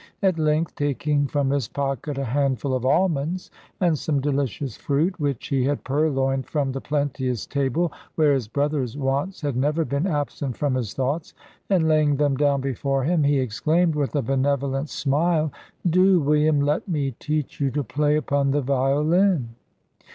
At length, taking from his pocket a handful of almonds, and some delicious fruit (which he had purloined from the plenteous table, where his brother's wants had never been absent from his thoughts), and laying them down before him, he exclaimed, with a benevolent smile, "Do, William, let me teach you to play upon the violin."